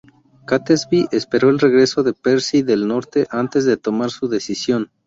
Catesby esperó el regreso de Percy del norte antes de tomar su decisión.